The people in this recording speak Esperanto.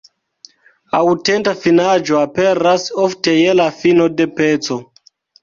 Aŭtenta finaĵo aperas ofte je la fino de peco.